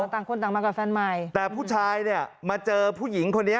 ต่างคนต่างมากับแฟนใหม่แต่ผู้ชายเนี่ยมาเจอผู้หญิงคนนี้